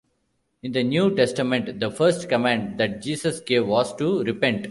In the New Testament, the first command that Jesus gave was to repent.